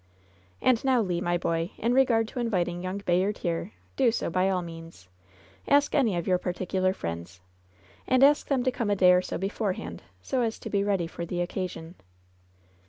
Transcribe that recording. "And now, Le, my boy, in regard to inviting young Bayard here, do so, by all means. Ask any of your par ticular friends. And ask them to come a day or so beforehand, so as to be ready for the occasion."